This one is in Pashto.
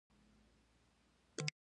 نیمروز دوه لوی ځانګړنې لرلې.